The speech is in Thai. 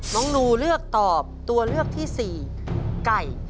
นูเลือกตอบตัวเลือกที่๔ไก่